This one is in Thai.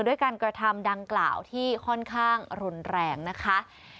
ด้วยการกระทำดังกล่าวที่ค่อนข้างรุนแรงนะคะ